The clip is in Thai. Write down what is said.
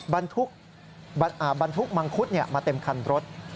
บรรทุกมังคุดมาเต็มคันรถ